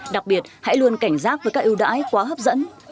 đặc biệt hãy luôn cảnh giác với các ưu đãi quá hấp dẫn